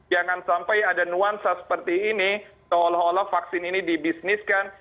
jangan sampai ada nuansa seperti ini seolah olah vaksin ini dibisniskan